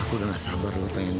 aku udah gak sabar lupainmu